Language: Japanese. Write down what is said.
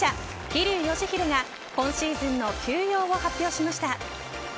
桐生祥秀が今シーズンの休養を発表しました。